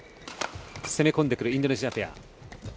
攻め込んでくるインドネシアペア。